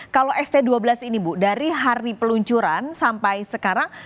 kalau st dua belas ini bu dari hari peluncuran sampai sekarang